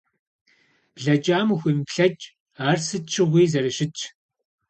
Блэкӏам ухуемыплъэкӏ, ар сыт щыгъуи зэрыщытщ.